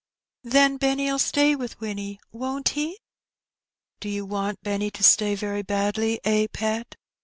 " Then Benny '11 stay with Winnie, won't he ?"" Do you want Benny to stay very badly, eh, pet